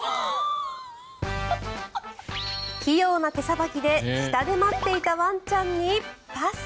器用な手さばきで下で待っていたワンちゃんにパス。